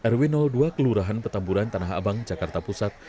rw dua kelurahan petamburan tanah abang jakarta pusat